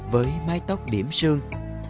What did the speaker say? với mái tóc điểm sương